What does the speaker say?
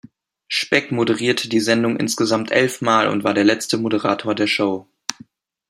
Speck moderierte die Sendung insgesamt elfmal und war der letzte Moderator der Show.